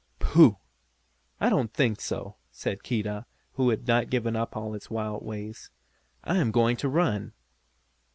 "Pooh! I don't think so," said Keedah, who had not given up all his wild ways. "I am going to run!"